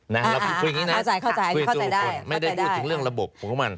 เราคุยอย่างนี้นะครับคุยตัวบุคคลไม่ได้ยูดถึงเรื่องระบบผมขอบคุณมั่น